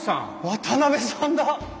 渡さんだ！